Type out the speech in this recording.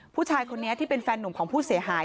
ผู้ชายคนนี้ที่เป็นแฟนหนุ่มของผู้เสียหาย